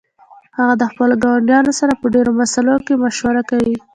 هغه د خپلو ګاونډیانو سره په ډیرو مسائلو کې مشوره کوي